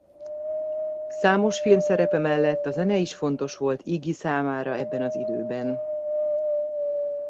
Számos filmszerepe mellett a zene is fontos volt Iggy számára ebben az időben.